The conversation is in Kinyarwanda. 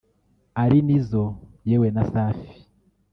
ari Nizzo yewe na Safi